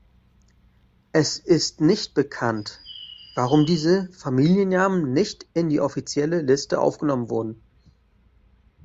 Es ist nicht bekannt, warum diese Familiennamen nicht in die offizielle Liste aufgenommen wurden.